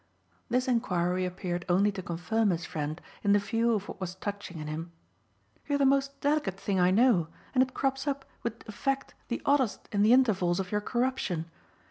This enquiry appeared only to confirm his friend in the view of what was touching in him. "You're the most delicate thing I know, and it crops up with effect the oddest in the intervals of your corruption.